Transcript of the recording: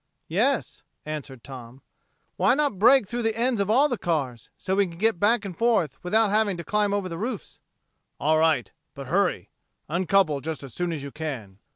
"Yes," answered Tom. "Why not break 'through the ends of all the cars so we can get back and forth without having to climb over the roofs!" "All right but hurry. Uncouple just as soon as you can."